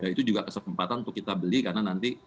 itu juga kesempatan untuk kita beli karena nanti